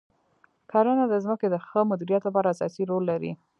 کرنه د ځمکې د ښه مدیریت لپاره اساسي رول لري.